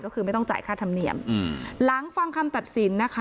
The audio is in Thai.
ก็คือไม่ต้องจ่ายค่าธรรมเนียมอืมหลังฟังคำตัดสินนะคะ